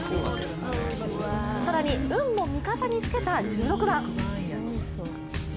更に運も味方につけた１６番。